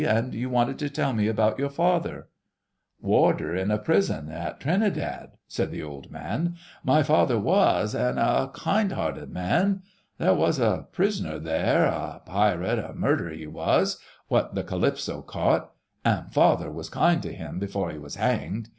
And you wanted to tell me about your father——" "Warder in the prison at Trinidad," said the old man, "my father was, an' a kind hearted man. There was a prisoner there, a pirate an' murderer he was, what the Calypso caught ... an' father was kind to him before he was hanged